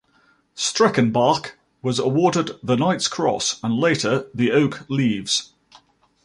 Streckenbach was awarded the Knight's Cross, and later the Oak Leaves.